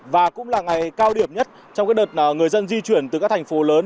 và cũng là ngày cao điểm nhất trong đợt người dân di chuyển từ các thành phố lớn